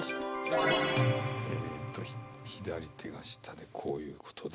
えっと左手が下でこういうことで。